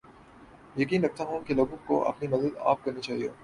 یقین رکھتا ہوں کے لوگوں کو اپنی مدد آپ کرنی چاھیے